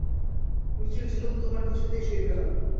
রুচির জুলুম তোমার কিছুতেই সইবে না।